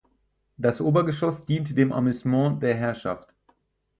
Das Obergeschoss diente dem Amüsement der Herrschaft.